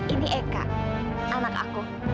ini eka anak aku